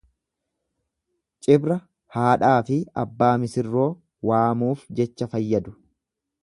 Cibra haadhaa fi abbaa misirroo waamuuf jecha fayyadu.